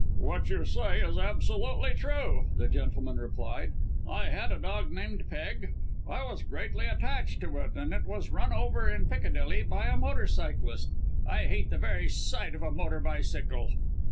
"What you say is absolutely true," the gentleman replied; "I had a dog named Peg. I was greatly attached to it, and it was run over in Piccadilly by a motor cyclist. I hate the very sight of a motor bicycle."